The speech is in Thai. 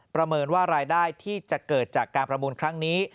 ประเมินว่ารายได้ที่จะเกิดจากการประมูลครั้งนี้